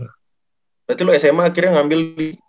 berarti lu sma akhirnya ngambil